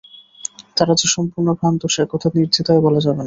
তারা যে সম্পূর্ণ ভ্রান্ত, সে কথা নির্দ্ধিধায় বলা যাবে না।